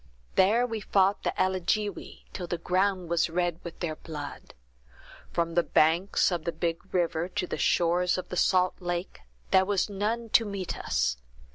There we fought the Alligewi, till the ground was red with their blood. From the banks of the big river to the shores of the salt lake, there was none to meet us.